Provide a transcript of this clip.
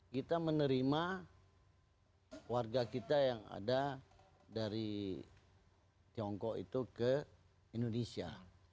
kita menerima warga kita yang ada dari tiongkok itu ke indonesia